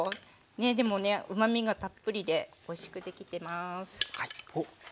でもねうまみがたっぷりでおいしくできてます。